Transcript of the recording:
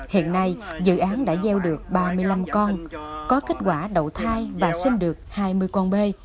hiện nay dự án đã gieo được ba mươi năm con có kết quả đậu thai và sinh được hai mươi con bê